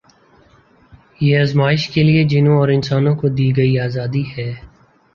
یہ آزمایش کے لیے جنوں اور انسانوں کو دی گئی آزادی ہے